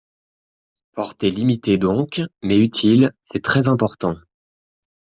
Portée limitée donc, mais utile, C’est très important